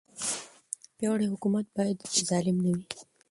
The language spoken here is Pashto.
پیاوړی حکومت باید ظالم نه وي.